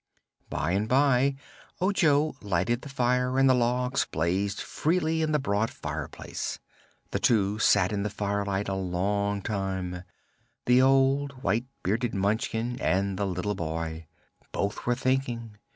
By and by Ojo lighted the fire and the logs blazed freely in the broad fireplace. The two sat in the firelight a long time the old, white bearded Munchkin and the little boy. Both were thinking.